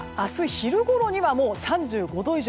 昼ごろにはもう３５度以上。